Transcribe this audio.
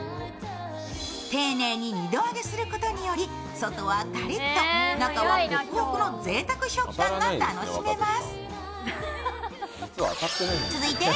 丁寧に２度揚げすることにより、外はカリッと中はホクホクのぜいたく食感が楽しめます。